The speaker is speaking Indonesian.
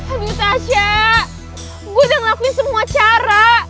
aduh tasya gue udah ngelakuin semua cara